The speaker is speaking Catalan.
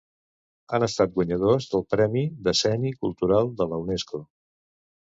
Han estat guanyadors del premi Decenni Cultural de la Unesco.